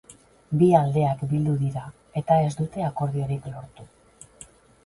Bi aldeak bildu dira, eta ez dute akordiorik lortu.